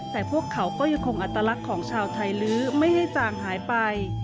แต่พวกเขาก็ยังคงอัตลักษณ์ของชาวไทยลื้อไม่ให้จางหายไป